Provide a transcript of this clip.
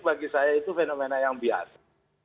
bagi saya itu fenomena yang biasa